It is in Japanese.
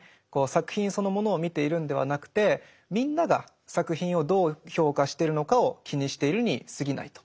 作品そのものを見ているんではなくてみんなが作品をどう評価してるのかを気にしているにすぎないと。